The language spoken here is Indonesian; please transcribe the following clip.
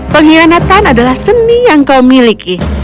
pengkhianatan adalah seni yang kau miliki